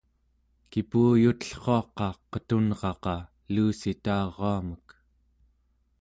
kipuyutellruaqa qetunraqa luussitaruamek